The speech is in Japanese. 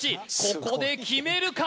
ここで決めるか？